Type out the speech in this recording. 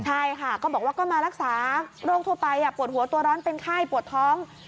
ใช่ค่ะก็บอกว่าก็มารักษาโรคทั่วไปปวดหัวตัวร้อนเป็นไข้ปวดท้อง